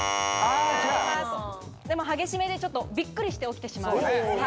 激しめでちょっとびっくりして起きてしまうような。